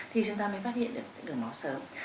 thì chúng ta mới phát hiện được đường máu sớm